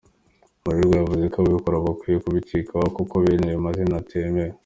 Murerwa yavuze ko ababikora bakwiye kubicikaho kuko bene ayo mazina atemewe.